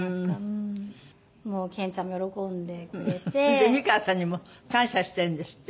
で美川さんにも感謝してるんですって？